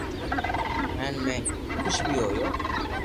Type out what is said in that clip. ھين ۾ خوݾ بي ھويو